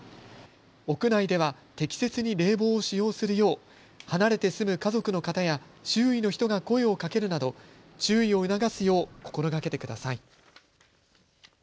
屋内では適切に冷房を使用するよう離れて住む家族の方や周囲の人が声をかけるなど注意を促すよう心がけてください。